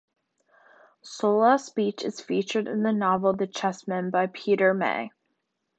Sollas beach is featured in the novel The Chessmen by Peter May.